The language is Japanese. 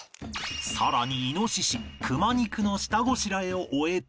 さらに猪熊肉の下ごしらえを終えて